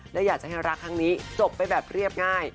และอยากจะให้รักครั้งนี้จบไปแบบเรียบง่าย